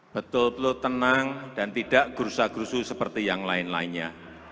betul betul tenang dan tidak gerusa gerusu seperti yang lain lainnya